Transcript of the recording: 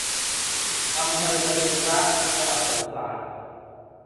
อำเภอสทิงพระ จังหวัดสงขลา